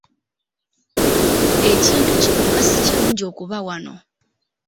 Ekintu kino nga si kirungi okuba wano.